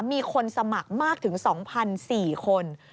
มีคนสมัครมากถึง๒๔คน